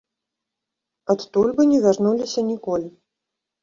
Адтуль бы не вярнуліся ніколі.